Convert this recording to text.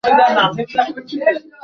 তিনি অত্যন্ত মেধাবী ছাত্র ছিলেন।